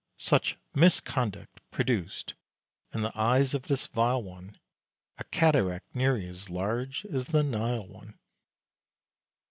(Such misconduct produced in the eyes of this vile one A cataract nearly as large as the Nile one!)